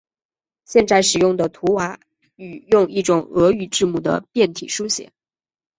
现在使用的图瓦语用一种俄语字母的变体书写。